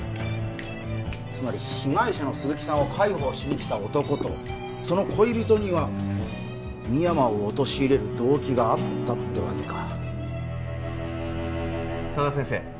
つまり被害者の鈴木さんを介抱しにきた男とその恋人には深山を陥れる動機があったってわけか佐田先生